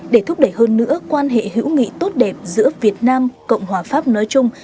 để thúc đẩy hơn nữa quan hệ hữu nghị tốt đẹp giữa việt nam cộng hòa pháp nói chung